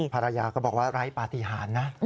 ภรรยาก็บอกว่าไร้ปฏิหารนะ